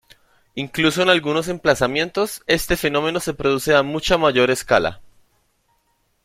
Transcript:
Incluso en algunos emplazamientos, este fenómeno se produce a mucho mayor escala.